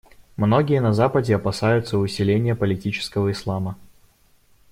Многие на Западе опасаются усиления политического Ислама.